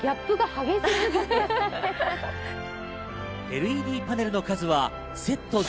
ＬＥＤパネルの数はセット全